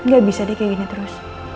gak bisa deh kayak gini terus